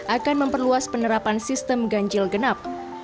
akan memperluas penerapan sistem ganjil genap